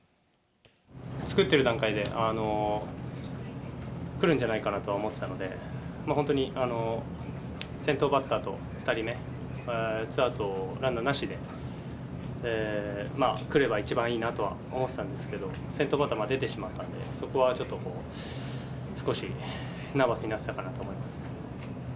作ってる段階で、来るんじゃないかなとは思ってたので、本当に先頭バッターと２人目、ツーアウトランナーなしで来れば一番いいなとは思ってたんですけど、先頭バッターが出てしまったので、そこはちょっと、少しナーバスになってたかなと思います。